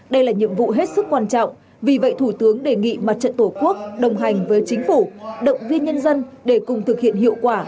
đây là nhiệm vụ hết sức quan trọng vì vậy thủ tướng đề nghị mặt trận tổ quốc đồng hành với chính phủ động viên nhân dân để cùng thực hiện hiệu quả